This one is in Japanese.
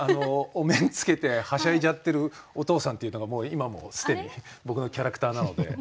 お面つけてはしゃいじゃってるお父さんっていうのが今もう既に僕のキャラクターなので。